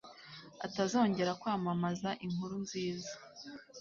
atazongera kwamamaza inkuru nziza